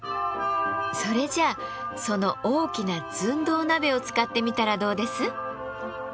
それじゃあその大きな寸胴鍋を使ってみたらどうです？